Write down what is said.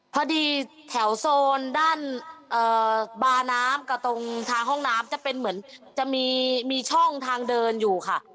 พอดีแถวโซนด้านบาน้ำกับตรงทางห้องน้ำจะเป็นเหมือนจะมีช่องทางเดินอยู่ค่ะ